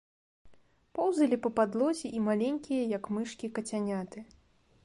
Поўзалі па падлозе і маленькія, як мышкі, кацяняты.